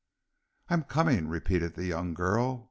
"I am coming," repeated the young girl.